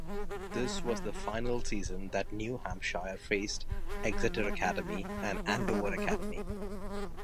This was the final season that New Hampshire faced Exeter Academy and Andover Academy.